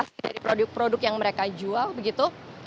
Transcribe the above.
dari produk produk yang mereka jual begitu